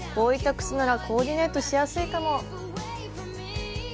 靴ならコーディネートしやすいかも。